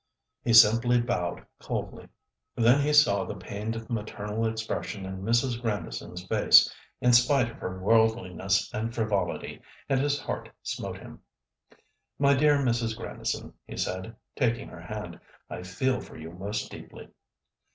He simply bowed coldly. Then he saw the pained maternal expression in Mrs. Grandison's face, in spite of her worldliness and frivolity, and his heart smote him. "My dear Mrs. Grandison," he said, taking her hand, "I feel for you most deeply."